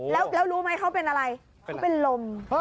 แล้วรู้ไหมเขาเป็นอะไรเขาเป็นลม